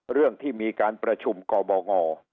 เรื่องที่มีการประชุมกบง